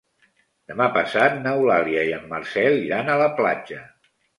Demà passat n'Eulàlia i en Marcel iran a la platja.